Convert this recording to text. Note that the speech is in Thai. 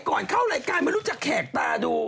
ก่อนเข้ารายการไม่รู้จักแขกตาดู